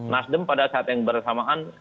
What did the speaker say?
nasdem pada saat yang bersamaan